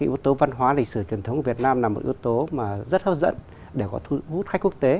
yếu tố văn hóa lịch sử truyền thống của việt nam là một yếu tố rất hấp dẫn để có thu hút khách quốc tế